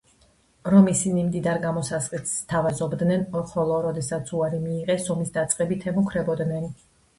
რომ ისინი მდიდარ გამოსასყიდს სთავაზობდნენ, ხოლო როდესაც უარი მიიღეს, ომის დაწყებით ემუქრებოდნენ.